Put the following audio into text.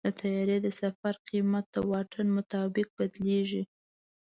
د طیارې د سفر قیمت د واټن مطابق بدلېږي.